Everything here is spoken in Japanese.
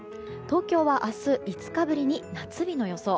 東京は明日、５日ぶりに夏日の予想。